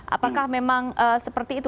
apakah memang seperti itu